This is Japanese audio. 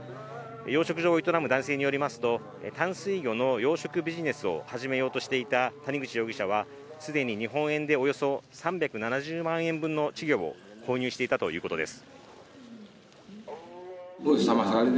養殖場を営む男性によりますと、淡水魚の養殖ビジネスを始めようとしていた谷口容疑者は、既に日本円でおよそ３７０万円分の稚魚を購入していたということです。